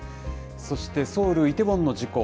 そしてソウル・イテウォンの事故。